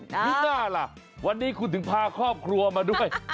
มีหน้าล่ะวันนี้คุณถึงพาครอบครัวมาด้วย